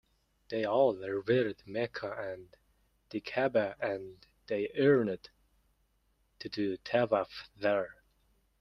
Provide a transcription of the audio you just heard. They all revered Mecca and the Ka'bah and they yearned to do tawaf there.